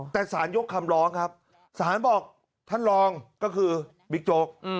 แต่สารยกคำร้องครับสารบอกท่านรองก็คือบิ๊กโจ๊ก